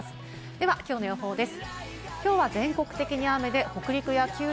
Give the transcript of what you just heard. ではきょうの予報です。